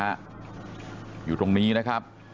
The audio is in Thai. อยู่ตรงนี้นะครับ